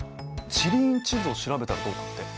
地理院地図を調べたらどうかって。